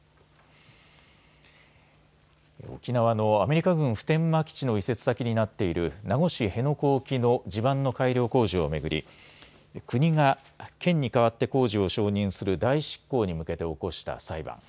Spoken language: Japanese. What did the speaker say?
沖縄のアメリカ軍普天間基地の移設先になっている名護市辺野古沖の地盤の改良工事を巡り国が県に代わって工事を承認する代執行に向けて起こした裁判。